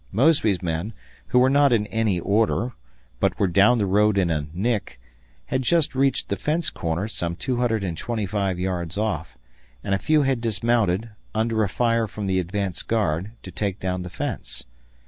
Mosby's men, who were not in any order, but were down the road in a "nick," had just reached the fence corner some 225 yards off, and a few had dismounted, under a fire from the advanced guard, to take down the fence.